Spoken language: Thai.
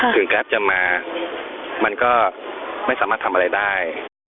แกรปจะมามันก็ไม่สามารถทำอะไรได้